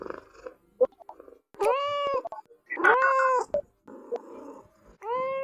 mgonjwa anatakiwa kunguza kutumia mafuta yasiyo na afya